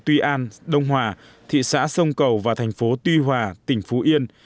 tuy an đông hòa thị xã sông cầu và thành phố tuy hòa tỉnh phú yên